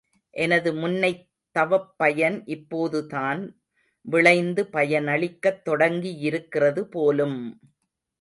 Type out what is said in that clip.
எனது முன்னைத் தவப்பயன் இப்போதுதான் விளைந்து பயனளிக்கத் தொடங்கியிருக்கிறது போலும்!